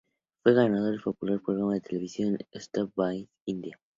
Fue ganador del popular programa de televisión "Star Voice of India".